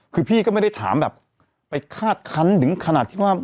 คือพี่ก็ไม่ได้ถามแบบไปคาดคันถึงขนาดที่ว่า